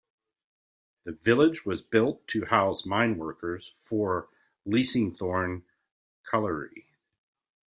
The village was built to house mineworkers for Leasingthorne Colliery.